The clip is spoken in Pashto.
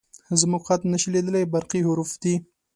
_زموږ خط نه شې لېدلی، برقي حروف دي